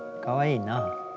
かわいいな。